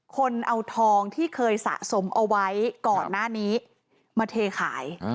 คนเอาทองที่เคยสะสมเอาไว้ก่อนหน้านี้มาเทขาย